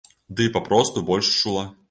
Ды папросту больш чула.